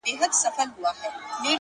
• وه كلي ته زموږ راځي مـلـنگه ككـرۍ؛